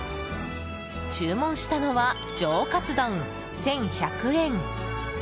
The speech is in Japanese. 注文したのは上カツ丼、１１００円。